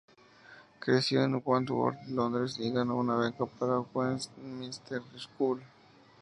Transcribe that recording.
Creció en Wandsworth, Londres y ganó una beca para Westminster School.